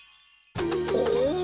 お！